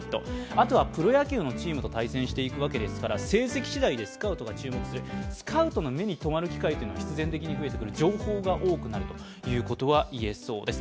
あとはプロ野球のチームと対戦していくわけですから、成績しだいでスカウトが注目するスカウトの目にとまる機会が必然的に増えてくる、情報が多くなるということは言えそうです。